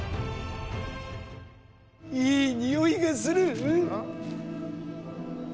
いい匂いがする。